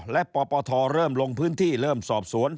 และปปทเริ่มลงพื้นที่เริ่มสอบสวน